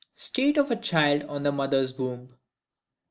State of a child in the mother's womb.